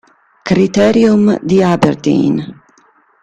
Criterium di Aberdeen